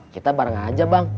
kita bareng aja bang